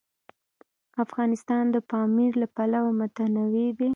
افغانستان د پامیر له پلوه متنوع دی.